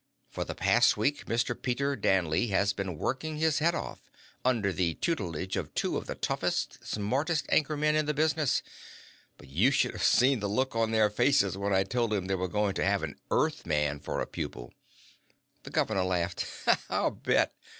"For the past week, Mr. Peter Danley has been working his head off, under the tutelage of two of the toughest, smartest anchor men in the business. But you should have seen the looks on their faces when I told them they were going to have an Earthman for a pupil." The governor laughed. "I'll bet!